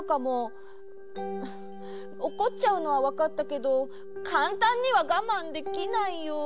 おこっちゃうのはわかったけどかんたんにはがまんできないよ。